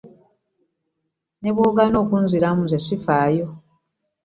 Ne bw'ogaana okunziramu nze ssifaayo.